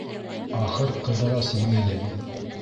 Ахыр Ҡыҙырас, еңелеп: